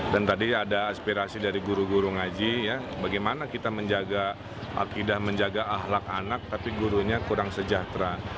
dan tadi ada aspirasi dari guru guru ngaji bagaimana kita menjaga akidah menjaga ahlak anak tapi gurunya kurang sejahtera